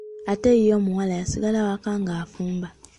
Ate ye omuwala yasigala waka ng'afumba.